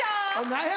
何や？